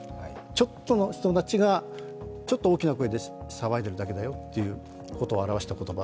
ちょっとの人たちがちょっと大きな声で騒いでいるだけだよということを表した言葉。